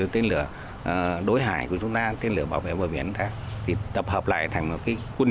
tên lửa đối hải của chúng ta tên lửa bảo vệ bờ biển khác thì tập hợp lại thành một cái quân